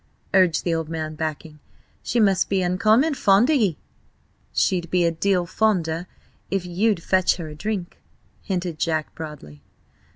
urged the old man, backing. "She must be uncommon fond o' ye?" "She'd be a deal fonder of you if you'd fetch her a drink," hinted Jack broadly.